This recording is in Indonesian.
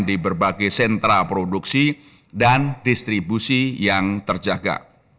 di berbagai sentra produksi dan distribusi yang terjaga